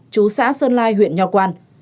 chú xã sơn lai huyện nho quang